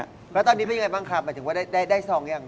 แล้วตอนนี้เป็นยังไงบ้างครับหมายถึงว่าได้ทองยัง